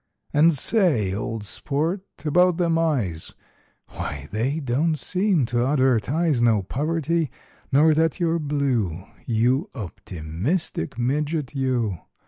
And, say, old sport, about them eyes: Wye, they don't seem to advertise No poverty, nor that you're blue, You optimistic midget you!